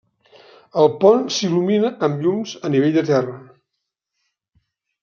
El pont s'il·lumina amb llums a nivell de terra.